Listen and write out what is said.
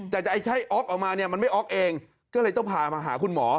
ถ้าให้อ๊อกออกมามันไม่อ๊อกเองก็เลยต้องพามาหาคุณหมอ